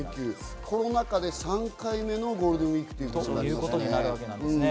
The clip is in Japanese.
コロナ禍で３回目のゴールデンウイークということになりますよね。